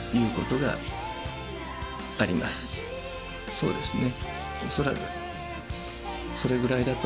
そうですね。